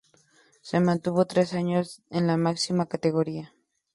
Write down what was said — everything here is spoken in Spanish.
Se mantuvo tres años en la máxima categoría.